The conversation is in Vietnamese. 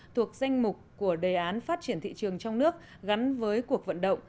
thuộc danh mục của đề án phát triển thị trường trong nước gắn với cuộc vận động